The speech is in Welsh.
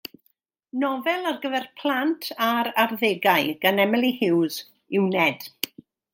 Nofel ar gyfer plant a'r arddegau gan Emily Huws yw Ned.